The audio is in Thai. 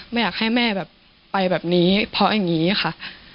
ไม่อยากให้แม่แบบไปแบบนี้เพราะอย่างนี้ค่ะ